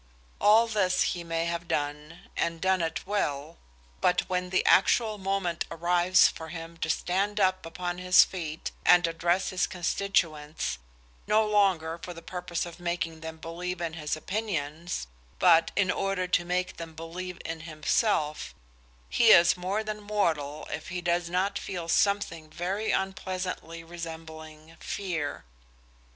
All this he may have done, and done it well, but when the actual moment arrives for him to stand upon his feet and address his constituents, no longer for the purpose of making them believe in his opinions, but in order to make them believe in himself, he is more than mortal if he does not feel something very unpleasantly resembling fear.